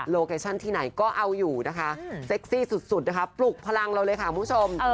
เคชั่นที่ไหนก็เอาอยู่นะคะเซ็กซี่สุดนะคะปลุกพลังเราเลยค่ะคุณผู้ชม